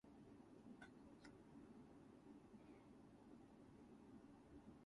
General of Division Emmanuel Grouchy led the cavalry.